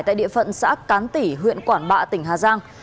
tại địa phận xã cán tỉ huyện quảng bạ tỉnh hà giang